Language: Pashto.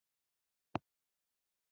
چې د لوکارنو په پرېښودو سره به پښېمانه شې.